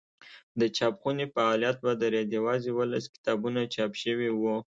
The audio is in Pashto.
د چاپخونې فعالیت ودرېد یوازې اوولس کتابونه چاپ شوي وو.